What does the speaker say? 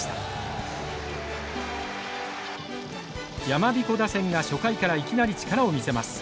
やまびこ打線が初回からいきなり力を見せます。